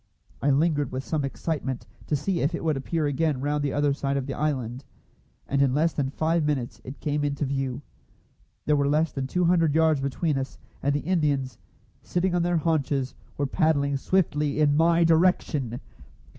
I lingered with some excitement, to see if it would appear again round the other side of the island; and in less than five minutes it came into view. There were less than two hundred yards between us, and the Indians, sitting on their haunches, were paddling swiftly in my direction.